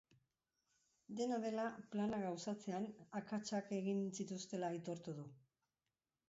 Dena dela, plana gauzatzean, akatsak egin zituztela aitortu du.